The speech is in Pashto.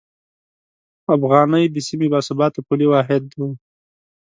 افغانۍ د سیمې باثباته پولي واحد و.